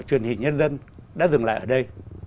truyền hình nhân dân đã dừng lại ở đây